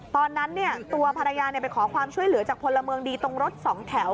ตอนนั้นตัวภรรยาไปขอความช่วยเหลือจากพลเมืองดีตรงรถสองแถว